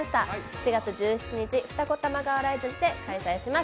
７月１７日、二子玉川ライズにて開催します。